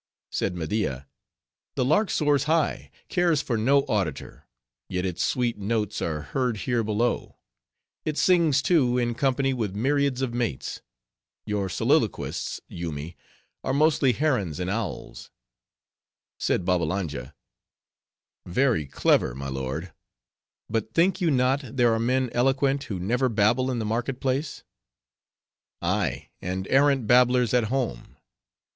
Said Media, "The lark soars high, cares for no auditor, yet its sweet notes are heard here below. It sings, too, in company with myriads of mates. Your soliloquists, Yoomy, are mostly herons and owls." Said Babbalanja, "Very clever, my lord; but think you not, there are men eloquent, who never babble in the marketplace?" "Ay, and arrant babblers at home.